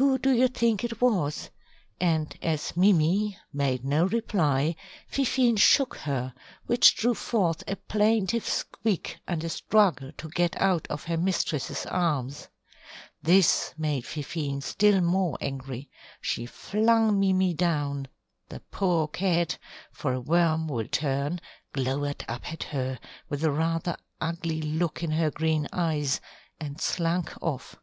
Who do you think it was?" and as Mimi made no reply, Fifine shook her, which drew forth a plaintive squeak and a struggle to get out of her mistress's arms. This made Fifine still more angry. She flung Mimi down, the poor cat for a worm will turn glowered up at her, with a rather ugly look in her green eyes, and slunk off.